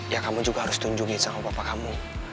ya kamu juga harus tunjungin sama papa kamu